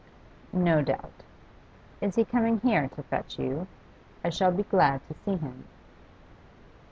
'No doubt. Is he coming here to fetch you? I shall be glad to see him.